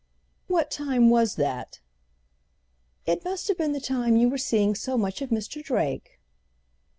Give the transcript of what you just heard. "What time was that?" "It must have been the time you were seeing so much of Mr. Drake."